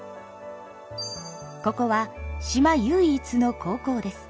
ここは島唯一の高校です。